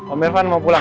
om irfan mau pulang